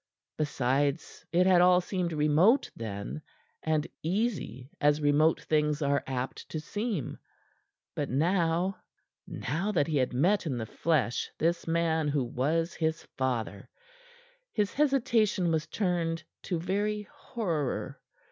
Besides, it had all seemed remote then, and easy as remote things are apt to seem. But now now that he had met in the flesh this man who was his father his hesitation was turned to very horror.